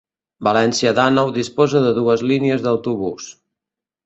València d'Àneu disposa de dues línies d'autobús.